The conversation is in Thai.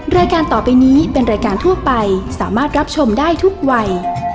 รายการต่อไปนี้เป็นรายการทั่วไปสามารถรับชมได้ทุกวัย